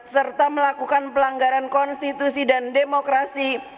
serta melakukan pelanggaran konstitusi dan demokrasi